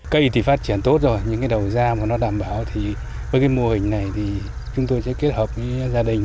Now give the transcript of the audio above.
cây thì phát triển tốt rồi những cái đầu da mà nó đảm bảo thì với cái mô hình này thì chúng tôi sẽ kết hợp với gia đình